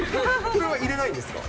これは入れないんですか？